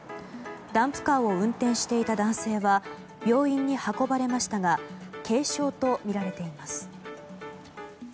ダンプカーを運転していた男性は病院に運ばれましたが軽傷とみられています。